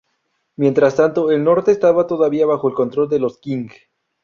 Mientras tanto, el norte estaba todavía bajo el control de los Qing.